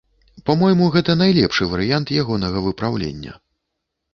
Па-мойму, гэта найлепшы варыянт ягонага выпраўлення.